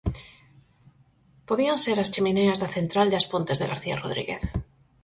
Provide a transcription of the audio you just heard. Podían ser as chemineas da central de As Pontes de García Rodríguez.